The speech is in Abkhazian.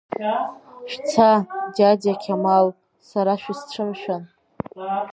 Шәца, диадиа Қьамал, сара шәысцәымшәан!